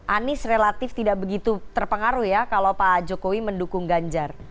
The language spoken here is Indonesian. anies relatif tidak begitu terpengaruh ya kalau pak jokowi mendukung ganjar